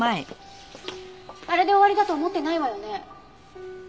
あれで終わりだと思ってないわよね？